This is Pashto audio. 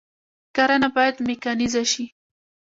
کرنه باید میکانیزه شي